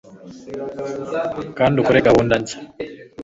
kandi ukore gahunda nshya